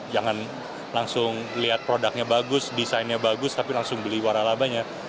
jangan langsung lihat produknya bagus desainnya bagus tapi langsung beli waralabanya